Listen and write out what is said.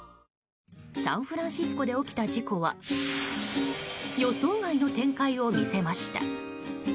サンフランシスコで起きた事故は予想外の展開を見せました。